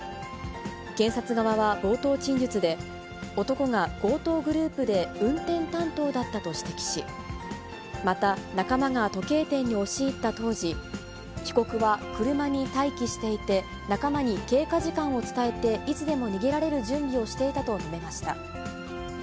検察側は冒頭陳述で、男が強盗グループで運転担当だったと指摘し、また仲間が時計店に押し入った当時、被告は車に待機していて、仲間に経過時間を伝えて、いつでも逃げられる準備をしていたと述べました。